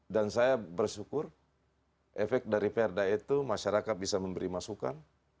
dan saya bersyukur efek dari perda itu masyarakat bisa memberi masukan